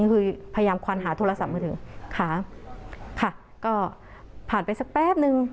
พยายามควรหาโทรศัพท์มือถึงค่ะก็ผ่านไปสักแป๊บหนึ่ง